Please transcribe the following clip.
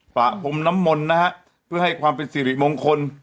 ประพรมน้ำมนต์นะฮะเพื่อให้ความเป็นสิริมงคล